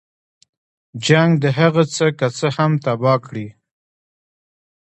جنګ د هغه څه که څه هم تباه کړي.